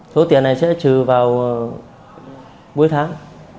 số tiền này sẽ trừ vào cuối tháng